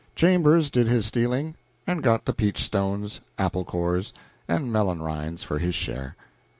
Chambers did his stealing, and got the peach stones, apple cores, and melon rinds for his share.